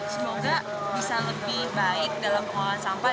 semoga bisa lebih baik dalam pengelolaan sampah